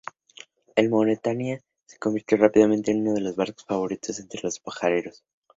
El "Mauretania" se convirtió rápidamente en uno de los barcos favoritos entre los pasajeros.